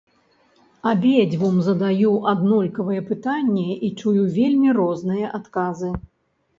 Абедзвюм задаю аднолькавыя пытанні і чую вельмі розныя адказы.